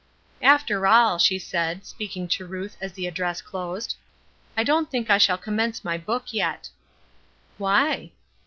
"After all," she said, speaking to Ruth as the address closed, "I don't think I shall commence my book yet." "Why?"